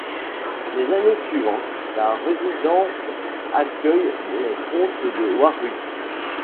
Les années suivantes, la résidence accueille les comtes de Warwick.